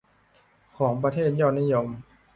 ของประเทศยอดนิยม